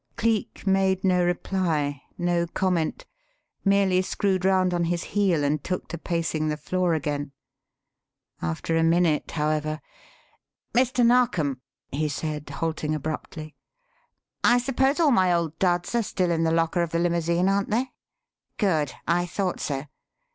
Cleek made no reply, no comment; merely screwed round on his heel and took to pacing the floor again. After a minute however: "Mr. Narkom," he said halting abruptly. "I suppose all my old duds are still in the locker of the limousine, aren't they? Good! I thought so.